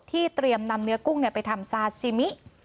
เตรียมนำเนื้อกุ้งไปทำซาซิมิ